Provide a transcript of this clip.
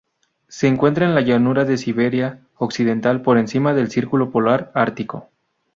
Se encuentra en la Llanura de Siberia Occidental, por encima del Círculo polar ártico.